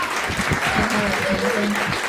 参加了长征。